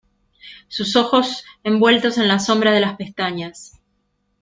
sus ojos, envueltos en la sombra de las pestañas